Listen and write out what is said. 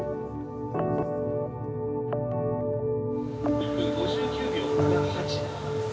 「１分５９秒７８」。